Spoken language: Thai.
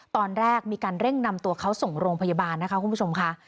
ตอนแรกมีการเร่งนำตัวเขาส่งโรงพยาบาลนะคะคุณผู้ชมค่ะ